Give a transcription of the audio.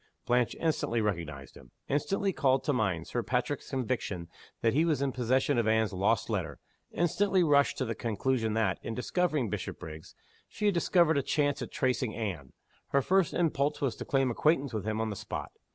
Blanche instantly recognized him; instantly called to mind Sir Patrick's conviction that he was in possession of Anne's lost letter; instantly rushed to the conclusion that, in discovering Bishopriggs, she had discovered a chance of tracing Anne. Her first impulse was to claim acquaintance with him on the spot.